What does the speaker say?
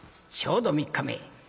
ちょうど３日目。